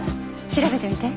調べてみて。